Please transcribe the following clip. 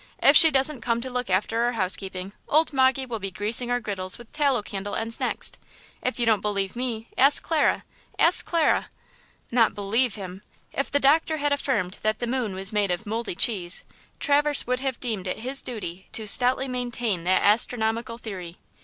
If she doesn't come to look after our housekeeping, old Moggy will be greasing our griddles with tallow candle ends next! If you don't believe me, ask Clara, ask Clara!" Not "believe" him! If the doctor had affirmed that the moon was made of moldy cheese, Traverse would have deemed it his duty to stoutly maintain that astronomical theory.